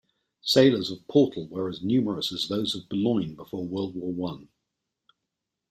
Sailors of Portel were as numerous as those of Boulogne before World War One.